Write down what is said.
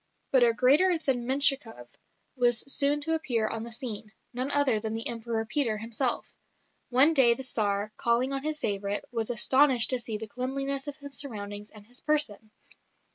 But a greater than Menshikoff was soon to appear on the scene none other than the Emperor Peter himself. One day the Tsar, calling on his favourite, was astonished to see the cleanliness of his surroundings and his person.